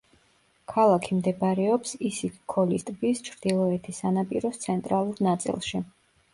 ქალაქი მდებარეობს ისიქ-ქოლის ტბის ჩრდილოეთი სანაპიროს ცენტრალურ ნაწილში.